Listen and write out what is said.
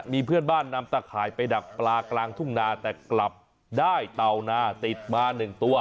มีเพื่อนบ้านนำตะข่ายไปดักปลากลางทุ่งนาแต่กลับได้เต่านาติดมาหนึ่งตัว